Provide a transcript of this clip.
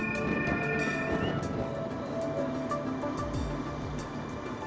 malam masih panjang tapi kesibukan justru baru dimulai di kri surabaya